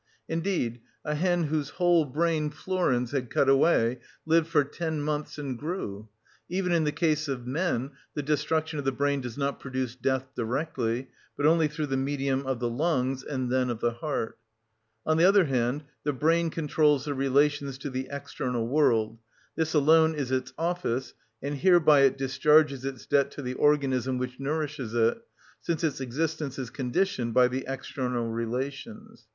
Indeed a hen whose whole brain Flourens had cut away lived for ten months and grew. Even in the case of men the destruction of the brain does not produce death directly, but only through the medium of the lungs, and then of the heart (Bichat, Sur la Vie et la Mort, Part ii., art. ii. § 1). On the other hand, the brain controls the relations to the external world; this alone is its office, and hereby it discharges its debt to the organism which nourishes it, since its existence is conditioned by the external relations.